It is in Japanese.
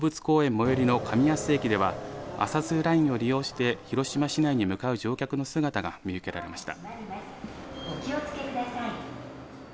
最寄りの上安駅ではアサズーラインを利用して広島市内に向かう乗客の姿が見受けられました。